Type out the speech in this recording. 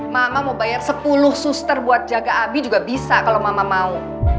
mama mau bayar sepuluh suster buat jaga abi juga bisa kalau mama mau